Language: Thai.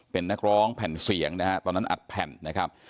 เป็นนักร้องแผ่นเสียงนะฮะตอนนั้นอัดแผ่นนะครับ